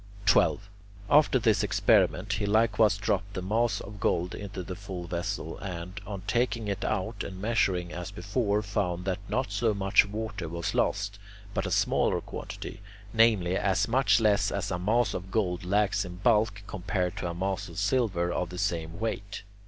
12. After this experiment, he likewise dropped the mass of gold into the full vessel and, on taking it out and measuring as before, found that not so much water was lost, but a smaller quantity: namely, as much less as a mass of gold lacks in bulk compared to a mass of silver of the same weight.